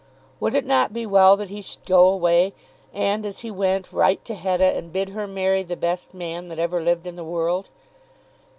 Would it not be well that he should go away, and, as he went, write to Hetta and bid her marry the best man that ever lived in the world?